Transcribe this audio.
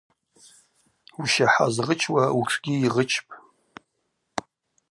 Ущахӏа згъычуа утшгьи йгъычпӏ.